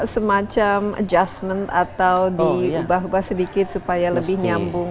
semacam adjustment atau diubah ubah sedikit supaya lebih nyambung